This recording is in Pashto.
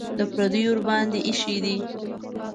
د پردیو ورباندې ایښي دي.